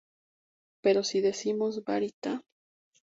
Pero, si decimos "Bari-ta.